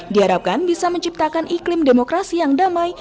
diharapkan bisa menciptakan iklim demokrasi yang damai